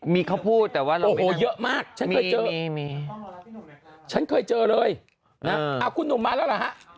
มีมาพูดแต่ว่าอยู่เยอะมหน่อยไม่มีมาฉันเคยก็เจอเลยนะอัพคุณ๐๕เหรอ